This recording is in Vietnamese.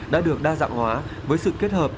đã được đa dạng hóa với sự kết hợp